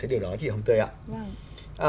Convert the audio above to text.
điều đó chị hồng tươi ạ